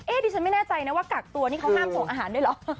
เอ๊ะพี่ฉันไม่แน่ใจนะว่ากักตัวนี่เข้าง่างส่งอาหารด้วยหรอ